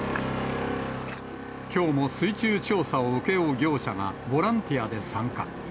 きょうも水中調査を請け負う業者がボランティアで参加。